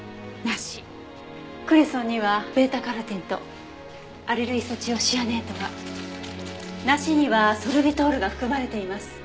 クレソンにはβ−カロテンとアリルイソチオシアネートが梨にはソルビトールが含まれています。